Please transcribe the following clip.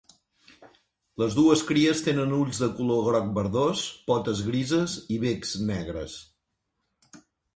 Les dues cries tenen ulls de color groc verdós, potes grises i becs negres.